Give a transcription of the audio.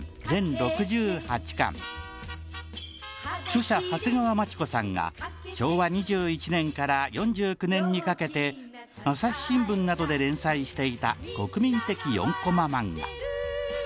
全６８巻著者長谷川町子さんが昭和２１年から４９年にかけて朝日新聞などで連載していた国民的４コママンガ